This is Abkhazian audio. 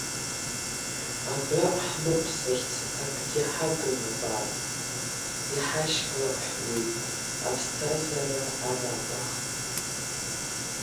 Адәы ҳнықәсырц акгьы ҳагым абар, иҳашьклаҳәуеит аԥсҭазара аракәа…